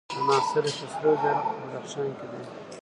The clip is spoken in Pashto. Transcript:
د ناصر خسرو زيارت په بدخشان کی دی